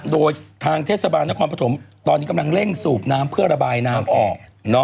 โดยทางเทศบาลนครปฐมตอนนี้กำลังเร่งสูบน้ำเพื่อระบายน้ำออก